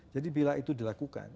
jadi bila itu dilakukan